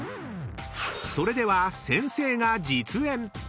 ［それでは先生が］